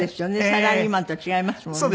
サラリーマンと違いますもんね。